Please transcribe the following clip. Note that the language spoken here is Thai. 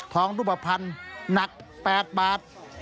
ทองรูปพันธุ์หนัก๘บาท